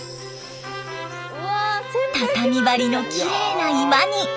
畳張りのきれいな居間に。